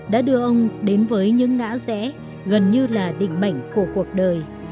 đã đưa ông đến với những ngã rẽ gần như là định mệnh của cuộc đời